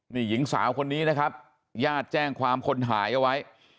นี่หญิงสาวคนนี้นะครับญาติแจ้งความคนหายเอาไว้